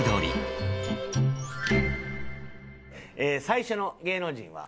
最初の芸能人は。